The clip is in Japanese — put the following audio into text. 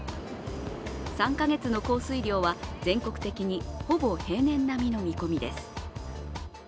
３か月の降水量は全国的にほぼ平年並みの見込みです。